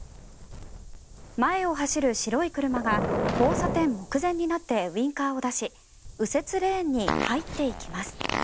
前を走る白い車が交差点目前になってウィンカーを出し右折レーンに入っていきます。